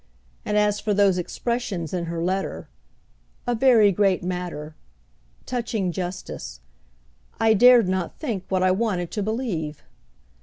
And as for those expressions in her letter, "a very great matter," "touching justice," I dared not think what I wanted to believe.